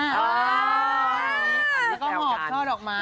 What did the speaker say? อ๋ออันนี้ก็หอบช่อดอกไม้